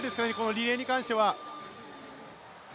リレーに関しては。